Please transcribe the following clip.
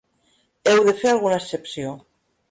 Heu de fer alguna excepció.